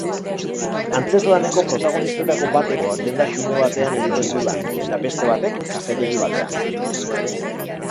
Antzezlaneko protagonistetako batek denda xume batean egiten du lan eta beste batek, kafetegi batean.